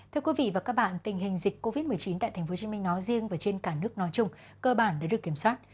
thưa quý vị và các bạn tình hình dịch covid một mươi chín tại thành phố hồ chí minh nói riêng và trên cả nước nói chung cơ bản đã được kiểm soát